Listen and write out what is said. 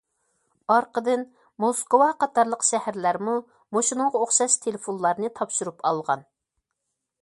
ئارقىدىن موسكۋا قاتارلىق شەھەرلەرمۇ مۇشۇنىڭغا ئوخشاش تېلېفونلارنى تاپشۇرۇپ ئالغان.